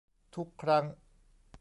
ทุกครั้ง